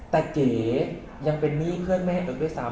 แต่เก๋ยังเป็นหนี้เพื่อนแม่เอิ๊กด้วยซ้ำ